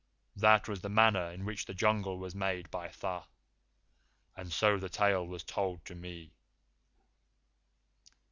That was the manner in which the Jungle was made by Tha; and so the tale was told to me."